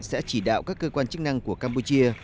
sẽ chỉ đạo các cơ quan chức năng của campuchia